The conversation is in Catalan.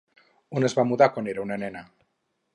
On es va mudar quan era una nena?